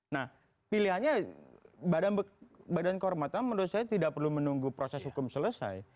nah pilihannya badan kehormatan menurut saya tidak perlu menunggu proses hukum selesai